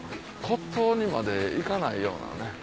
骨董にまでいかないようなね。